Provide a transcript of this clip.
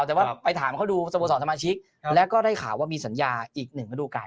แต่ว่าไปถามเขาดูสโมสรสมาชิกแล้วก็ได้ข่าวว่ามีสัญญาอีกหนึ่งฤดูการ